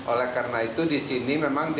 oleh karena itu di sini memang dia menguasai